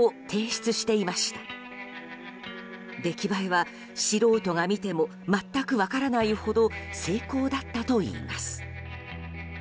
出来栄えは、素人が見ても全く分からないほど精巧だったといいます。